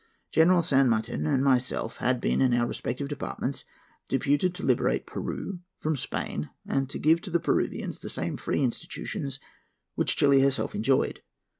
General San Martin and myself had been in our respective departments deputed to liberate Peru from Spain, and to give to the Peruvians the same free institutions which Chili herself enjoyed.